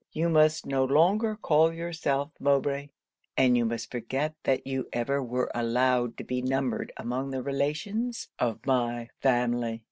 You must no longer call yourself Mowbray; and you must forget that you ever were allowed to be numbered among the relations of my family.